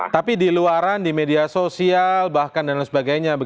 tapi di luaran di media sosial bahkan dan lain sebagainya